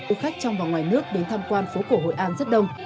ưu khách trong và ngoài nước đến tham quan phố cổ hội an rất đông